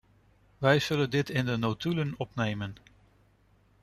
Wij zullen dit in de notulen opnemen.